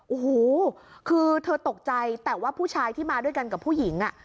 โอ้โหคือเธอตกใจแต่ว่าผู้ชายที่มาด้วยกันกับผู้หญิงอ่ะ